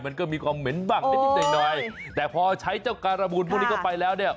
มันก็มีความเหม็นบ้างได้นิดหน่อยแต่พอใช้เจ้าการบูลพวกนี้ก็ไปแล้ว